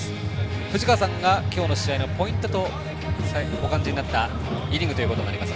藤川さんが今日の試合のポイントとお感じになったイニングということになります。